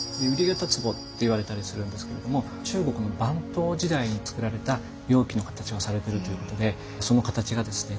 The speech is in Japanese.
瓜形壺って言われたりするんですけども中国の晩唐時代に作られた容器の形をされているということでその形がですね